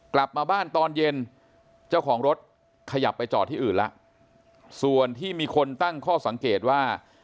กลับมาบ้านตอนเย็นเจ้าของรถขยับไปจอดที่อื่นแล้วส่วนที่มีคนตั้งข้อสังเกตว่า